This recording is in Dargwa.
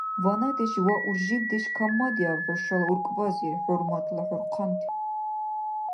Ванадеш ва уржибдеш каммадиаб хӀушала уркӀбазир, хӀурматла хӀурхъанти!